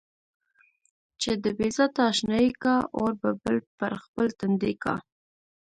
چې د بې ذاته اشنايي کا، اور به بل پر خپل تندي کا.